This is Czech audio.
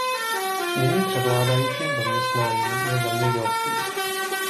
Nyní převládajícím zaměstnáním je zemědělství.